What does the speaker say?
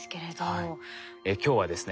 今日はですね